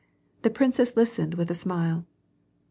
The princess listened with a smile.